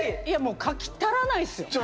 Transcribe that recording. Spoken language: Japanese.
いやもう書き足らないですよ。